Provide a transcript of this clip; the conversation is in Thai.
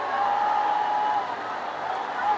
วัฒนิยาพุทธ